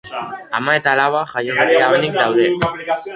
Ama eta alaba jaioberria onik daude.